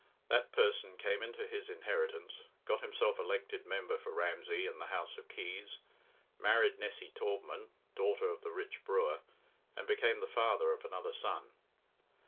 That person came into his inheritance, got himself elected member for Ramsey in the House of Keys, married Nessy Taubman, daughter of the rich brewer, and became the father of another son.